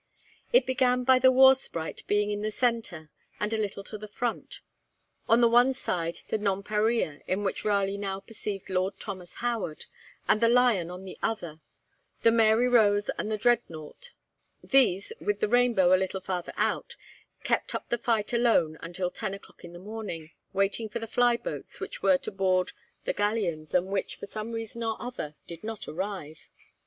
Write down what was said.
It began by the 'War Sprite' being in the centre and a little to the front; on the one side, the 'Nonparilla,' in which Raleigh now perceived Lord Thomas Howard, and the 'Lion;' on the other the 'Mary Rose' and the 'Dreadnought;' these, with the 'Rainbow' a little farther off, kept up the fight alone until ten o'clock in the morning; waiting for the fly boats, which were to board the galleons, and which, for some reason or other, did not arrive.